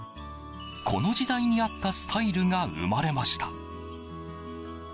この時代に合ったスタイルが生まれました。